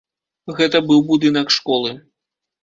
Гэта быў будынак школы.